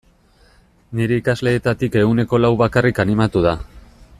Nire ikasleetatik ehuneko lau bakarrik animatu da.